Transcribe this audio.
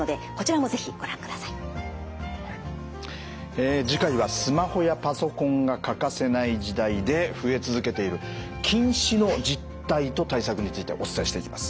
え次回はスマホやパソコンが欠かせない時代で増え続けている近視の実態と対策についてお伝えしていきます。